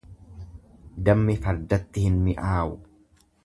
Dammi fardatti hin mi'aawu.